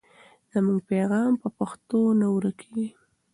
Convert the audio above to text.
زموږ پیغام په پښتو نه ورکېږي.